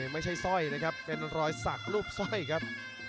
ไม่ใช่สร้อยนะครับเป็นรอยสักรูปสร้อยครับ